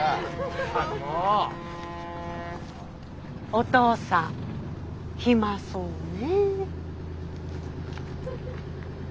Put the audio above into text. おとうさん暇そうね。